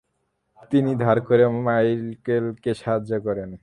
তিনি ধার করেও মাইকেলকে সাহায্য করেন।